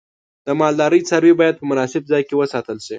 د مالدارۍ څاروی باید په مناسب ځای کې وساتل شي.